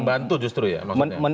membantu justru ya maksudnya